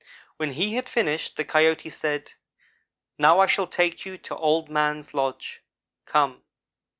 When he had finished the Coyote said: "'Now I shall take you to Old man's lodge, come.'